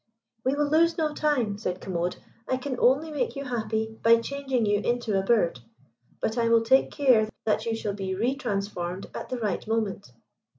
"We will lose no time," said Commode; "I can only make you happy by changing you into a bird; but I will take care that you shall be re transformed at the right moment."